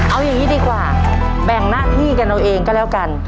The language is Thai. เอาอย่างนี้ดีกว่าแบ่งหน้าที่กันเอาเองก็แล้วกัน